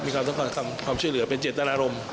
มีความต้องการทำความช่วยเหลือเป็นเจ็ดตาราลมนะครับ